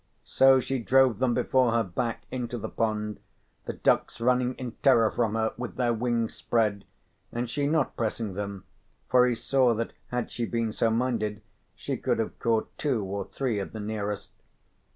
So she drove them before her back into the pond, the ducks running in terror from her with their wings spread, and she not pressing them, for he saw that had she been so minded she could have caught two or three of the nearest.